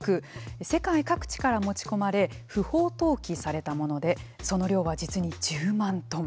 世界各地から持ち込まれ不法投棄されたものでその量は、実に１０万トン。